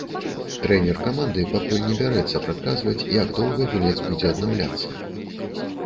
Трэнер каманды пакуль не бярэцца прадказваць, як доўга гулец будзе аднаўляцца.